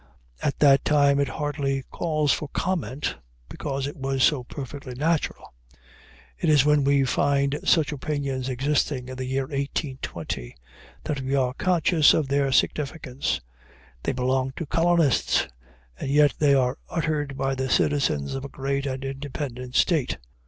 At that time it hardly calls for comment, because it was so perfectly natural. It is when we find such opinions existing in the year 1820 that we are conscious of their significance. They belong to colonists, and yet they are uttered by the citizens of a great and independent state.